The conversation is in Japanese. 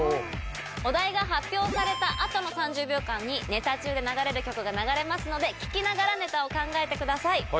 お題が発表された後の３０秒間にネタ中で流れる曲が流れますので聴きながらネタを考えてください。